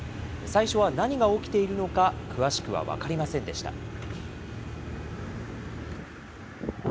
最初は何が起きているのか詳しくは分かりませんでした。